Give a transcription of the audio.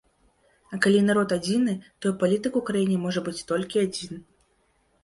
А калі народ адзіны, то і палітык у краіне можа быць толькі адзін.